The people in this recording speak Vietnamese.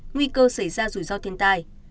nguy cơ xảy ra rủi ro thiên tài